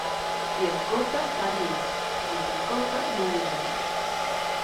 Qui escolta, savi és; qui s'escolta, no ho és gens.